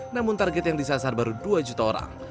namun target yang disasar baru dua juta orang